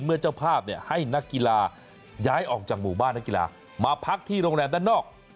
เจ้าภาพให้นักกีฬาย้ายออกจากหมู่บ้านนักกีฬามาพักที่โรงแรมด้านนอก